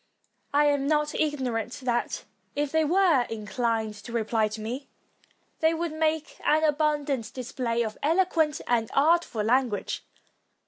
I am not ignorant that, if they were inclined to reply to me, they would make an abundant display of elo quent and artful language.